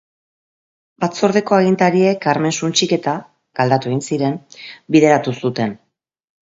Batzordeko agintariek armen suntsiketa –galdatu egin ziren– bideratu zuten.